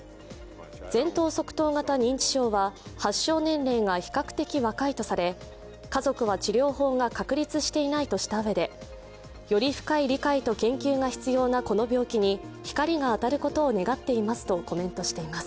前頭側頭型認知症は発症年齢が比較的若いとされ、家族は治療法が確立していないとしたうえでより深い理解と研究が必要なこの病気に光が当たることを願っていますとコメントしています。